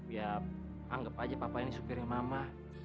ya anggap aja papa ini supirnya mama